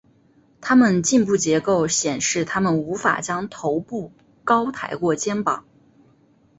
它们颈部结构显示它们无法将头部高抬过肩膀。